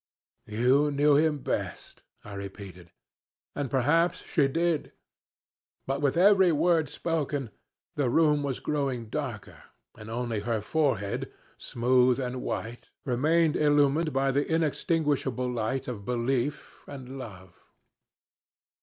"'You knew him best,' I repeated. And perhaps she did. But with every word spoken the room was growing darker, and only her forehead, smooth and white, remained illumined by the unextinguishable light of belief and love.